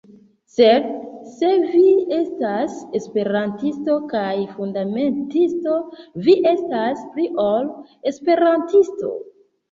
Sed se vi estas Esperantisto kaj fundamentisto, vi estas pli ol Esperantisto.